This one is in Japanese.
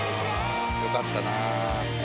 よかったな。